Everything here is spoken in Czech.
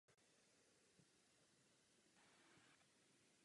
Hned první účast na mistrovství světa a Evropy proměnila v medaili.